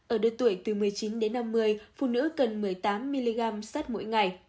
ở đứa tuổi từ một mươi chín đến năm mươi phụ nữ cần một mươi tám mg sắt mỗi ngày